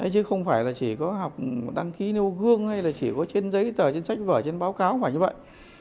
chứ không phải là chỉ có học đăng ký nêu gương hay là chỉ có trên giấy tờ trên sách vở trên báo cáo không phải như vậy